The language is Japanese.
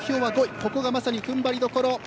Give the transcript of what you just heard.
ここがまさに踏ん張りどころ。